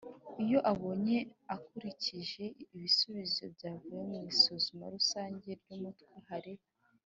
iyo abonye, akurikije ibisubizo byavuye mu isuzuma rusange ry’umutwe, hari